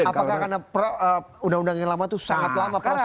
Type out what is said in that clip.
apakah karena undang undang yang lama itu sangat lama prosesnya